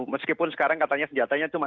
meskipun sekarang katanya senjatanya cuma